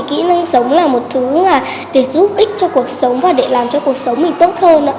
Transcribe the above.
kỹ năng sống là một thứ để giúp ích cho cuộc sống và để làm cho cuộc sống mình tốt hơn